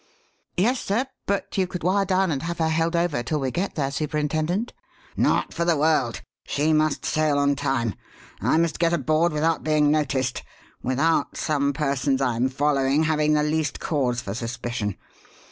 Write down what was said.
"Yes, sir. But you could wire down and have her held over till we get there, Superintendent." "Not for the world! She must sail on time; I must get aboard without being noticed without some persons I'm following having the least cause for suspicion.